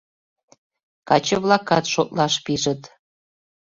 Каче-влакат шотлаш пижыт: